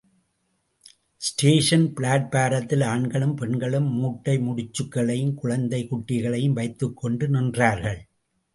Station பிளாட்பாரத்திலே ஆண்களும், பெண்களும் மூட்டை முடிச்சுக்களையும், குழந்தை குட்டிகளையும் வைத்துக் கொண்டு நின்றார்கள்.